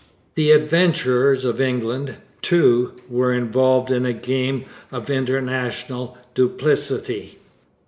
The 'Adventurers of England,' too, were involved in a game of international duplicity.